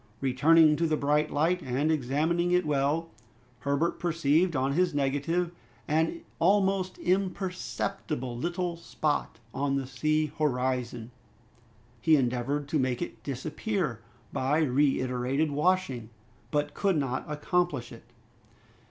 Returning to the bright light, and examining it well, Herbert perceived on his negative an almost imperceptible little spot on the sea horizon. He endeavored to make it disappear by reiterated washing, but could not accomplish it.